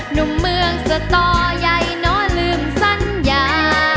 หนุ่มเมืองสตอใหญ่นอนลืมสัญญา